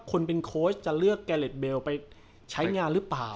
คนเป็นโค้ชจะเลือกแกเล็ตเบลไปใช้งานหรือเปล่า